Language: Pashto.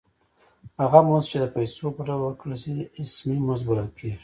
هغه مزد چې د پیسو په ډول ورکړل شي اسمي مزد بلل کېږي